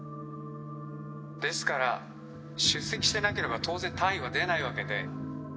ですから出席してなければ当然単位は出ないわけで。